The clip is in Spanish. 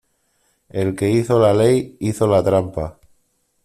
El que hizo la ley hizo la trampa.